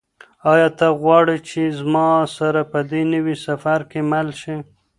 آیا ته غواړې چې زما سره په دې نوي سفر کې مل شې؟